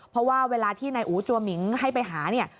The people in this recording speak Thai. เพราะว่าเวลาที่นายอู๋จัวหมิงให้ไปหาเนี่ย